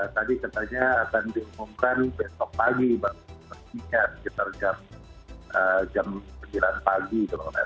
tadi katanya akan diumumkan besok pagi bahkan setelah jam sembilan pagi